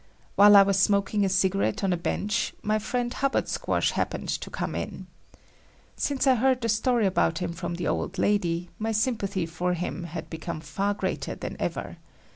While I was smoking a cigarette on a bench, my friend Hubbard Squash happened to come in. Since I heard the story about him from the old lady my sympathy for him had become far greater than ever.